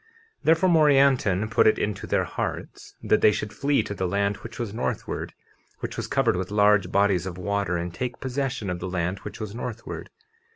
50:29 Therefore, Morianton put it into their hearts that they should flee to the land which was northward, which was covered with large bodies of water, and take possession of the land which was northward.